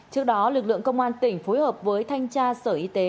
trước đó lực lượng công an tỉnh phối hợp với thanh tra sở y tế